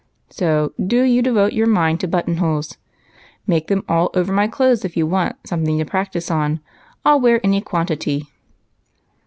So, do you devote your mind to button holes ; make 'em all over my clothes if you want something to practice on. I '11 wear any quantity."